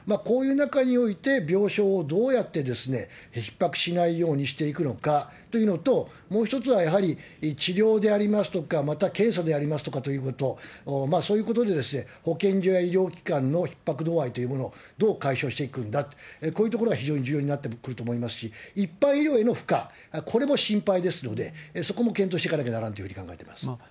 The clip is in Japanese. こういう中において、病床をどうやってひっ迫しないようにしていくのかというのと、もう一つはやはり、治療でありますとか、また、検査でありますとかということ、そういうことで、保健所や医療機関のひっ迫度合いというものをどう解消していくんだと、こういうところが非常に重要になってくると思いますし、一般医療への負荷、これも心配ですので、そこも検討していかなきゃならんというふうに思っています。